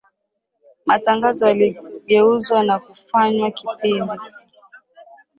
Matangazo yaligeuzwa na kufanywa kipindi